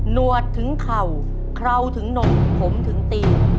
วดถึงเข่าเคราถึงนมผมถึงตี